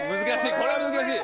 これは難しい。